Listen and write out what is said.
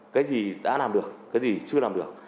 cái gì đã làm được cái gì chưa làm được